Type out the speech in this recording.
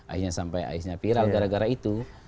akhirnya sampai aisnya viral gara gara itu